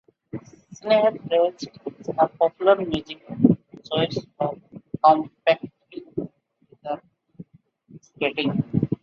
"Scheherazade" is a popular music choice for competitive figure skating.